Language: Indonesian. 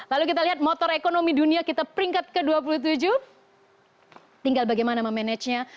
lalu kita lihat motor ekonomi dunia kita peringkat ke dua puluh tujuh tinggal bagaimana memanagenya